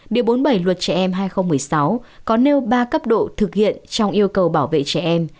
điều bốn mươi bảy luật trẻ em hai nghìn một mươi sáu có nêu ba cấp độ thực hiện trong yêu cầu bảo vệ trẻ em